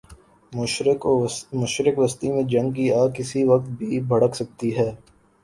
مشرق وسطی میں جنگ کی آگ کسی وقت بھی بھڑک سکتی ہے۔